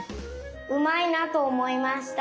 うまいなとおもいました。